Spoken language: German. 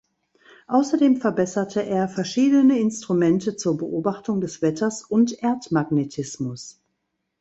Außerdem verbesserte er verschiedene Instrumente zur Beobachtung des Wetters und Erdmagnetismus.